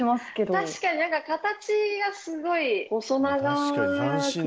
確かに形がすごい細長くて。